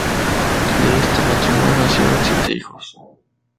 De este matrimonio nacieron siete hijos.